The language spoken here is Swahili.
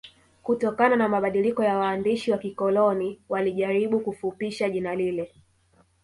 Kutokana na mabadiliko ya waandishi wa kikoloni walijaribu kufupisha jina lile